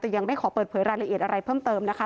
แต่ยังไม่ขอเปิดเผยรายละเอียดอะไรเพิ่มเติมนะคะ